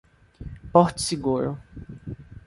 Porto Seguro